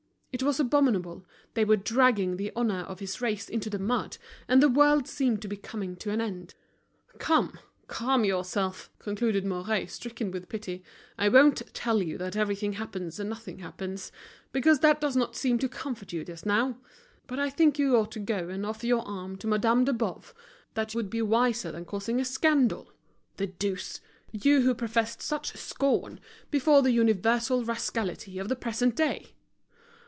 It was abominable, they were dragging the honor of his race into the mud, and the world seemed to be coming to an end. "Come, calm yourself," concluded Mouret, stricken with pity. "I won't tell you that everything happens and nothing happens, because that does not seem to comfort you just now. But I think you ought to go and offer your arm to Madame de Boves, that would be wiser than causing a scandal. The deuce! you who professed such scorn before the universal rascality of the present day!"